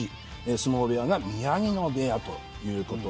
相撲部屋が宮城野部屋。